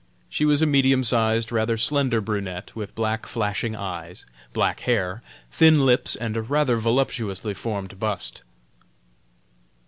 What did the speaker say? She was a medium sized, rather slender brunette, with black flashing eyes, black hair, thin lips, and a rather voluptuously formed bust.